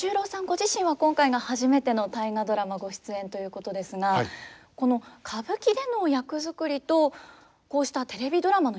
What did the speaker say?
ご自身は今回が初めての「大河ドラマ」ご出演ということですがこの歌舞伎での役作りとこうしたテレビドラマの役作りというのは結構違うものなんですか？